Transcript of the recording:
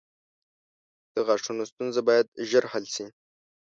• د غاښونو ستونزه باید ژر حل شي.